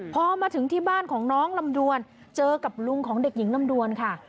พอมาถึงที่บ้านของน้องลำดวนเจอกับลุงของเด็กหญิงลำดวนค่ะ